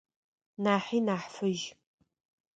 Нахьи нахь фыжь.